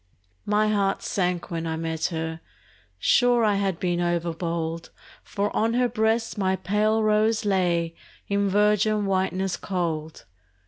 My heart sank when I met her: sure I had been overbold, For on her breast my pale rose lay In virgin whiteness cold.